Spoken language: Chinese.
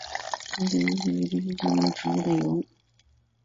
鳄梨油是指用鳄梨果实压榨而成的植物油。